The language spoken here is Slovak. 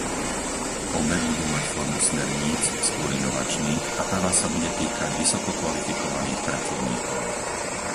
Obe budú mať formu smerníc, skôr inovačných, a prvá sa bude týkať vysokokvalifikovaných pracovníkov.